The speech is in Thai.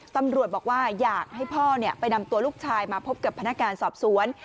ตำรวจบอกว่าอยากให้พ่อไปนำตัวลูกชายมาพบกับพนักงานสอบสวน